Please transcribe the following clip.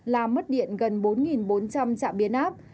làm mất điện gần bốn bốn trăm linh trạm biến áp